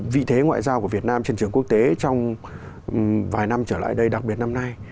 vị thế ngoại giao của việt nam trên trường quốc tế trong vài năm trở lại đây đặc biệt năm nay